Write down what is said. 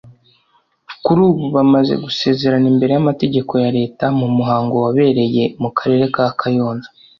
Kuri ubu bamaze gusezerana imbere y'amategeko ya Leta mu muhango wabereye mu karere ka Kayonza